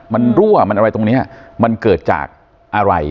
มันรั่วมันอะไรตรงนี้มันเกิดจากอะไร